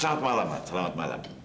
selamat malam pak selamat malam